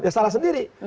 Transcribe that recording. ya salah sendiri